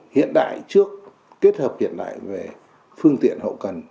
hiện đại trước kết hợp hiện đại về phương tiện hậu cần